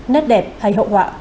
nét đẹp hay hậu họa